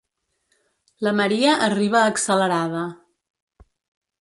La Maria arriba accelerada.